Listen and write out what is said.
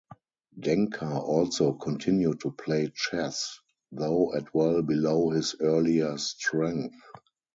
Denker also continued to play chess, though at well below his earlier strength.